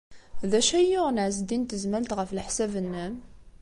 D acu ay yuɣen Ɛezdin n Tezmalt, ɣef leḥsab-nnem?